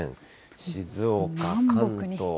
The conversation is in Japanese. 静岡、関東。